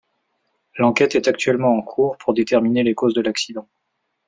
L'enquête est actuellement en cours pour déterminer les causes de l'accident.